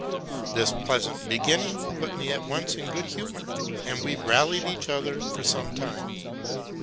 This pleasant beginning put me at once in good humor, and we rallied each other for some time.